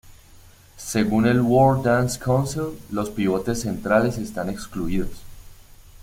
Según el "World Dance Council", los pivotes centrales están excluidos.